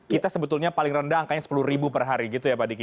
kita sebetulnya paling rendah angkanya sepuluh ribu per hari gitu ya pak diki